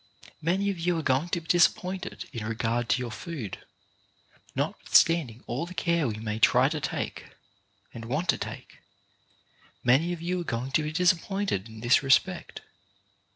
Many of you are going to be disappointed in regard ' to your food. Notwithstanding all the SOME OF THE ROCKS AHEAD 23 care we may try to take, and want to take, many of you are going to be disappointed in this re spect.